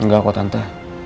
enggak kok tante